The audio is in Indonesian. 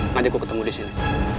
maju ku ketemu di sini